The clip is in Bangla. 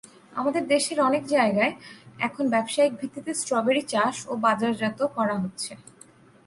আমাদের দেশের অনেক জায়গায় এখন ব্যবসায়িক ভিত্তিতে স্ট্রবেরি চাষ ও বাজারজাত করা হচ্ছে।